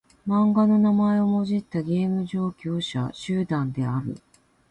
漫画の名前をもじったゲーム実況者集団である。